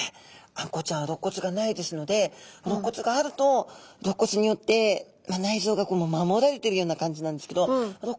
あんこうちゃんはろっ骨がないですのでろっ骨があるとろっ骨によって内臓が守られてるような感じなんですけどなるほど。